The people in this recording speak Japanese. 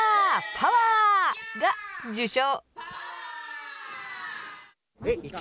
パワー！が受賞。